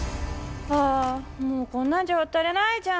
あもうこんなんじゃ渡れないじゃん。